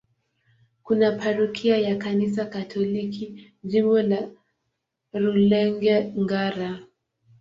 Kuna parokia ya Kanisa Katoliki, Jimbo la Rulenge-Ngara.